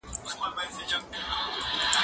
زه پرون مڼې وخوړلې؟